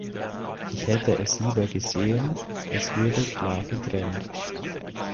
Ich hätte es lieber gesehen, es würde klar getrennt.